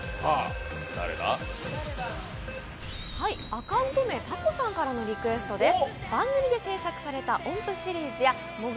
アカウント名、たこさんからのリクエストです。